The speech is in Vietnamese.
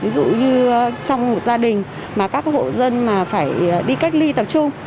ví dụ như trong một gia đình mà các hộ dân mà phải đi cách ly tập trung